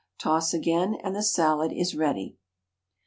Toss again, and the salad is ready.